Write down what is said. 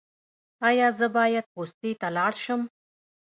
ایا زه باید پوستې ته لاړ شم؟